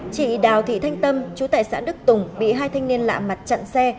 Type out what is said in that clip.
chị đào thị thanh tâm chú tại xã đức tùng bị hai thanh niên lạ mặt chặn xe